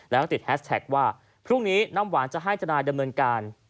แล้วก็ติดแฮสแท็กว่าพรุ่งนี้น้ำหวานจะให้ทนายดำเนินการ